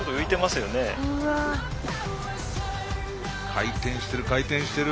回転してる回転してる。